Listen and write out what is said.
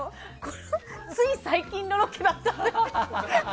つい最近のロケだったので。